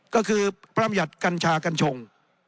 ก็คือพระรำหยัติกัญชากัญชง